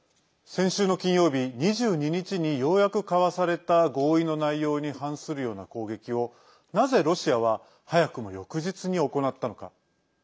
先週の金曜日２２日にようやく交わされた合意の内容に反するような攻撃をなぜ、ロシアは早くも翌日に行ったのか。